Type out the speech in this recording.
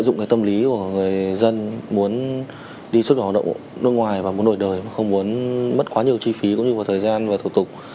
nếu muốn mất quá nhiều chi phí cũng như một thời gian và thủ tục